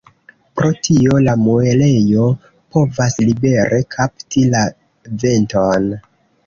Pro tio la muelejo povas libere “kapti” la venton.